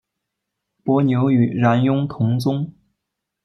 伯牛与冉雍同宗。